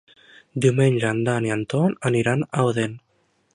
Diumenge en Dan i en Ton aniran a Odèn.